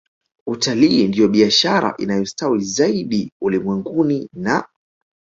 Utalii ndiyo biashara inayostawi zaidi ulimwenguni na